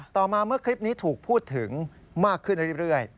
ต่อมาเมื่อคลิปนี้ถูกพูดถึงมากขึ้นเรื่อย